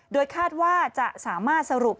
โดยคาดว่าจะสามารถสรุป